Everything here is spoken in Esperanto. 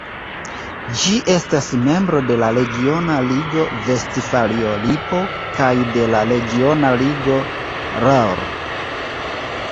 Ĝi estas membro de la regiona ligo Vestfalio-Lipo kaj de la regiona ligo Ruhr.